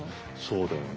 そうだよね。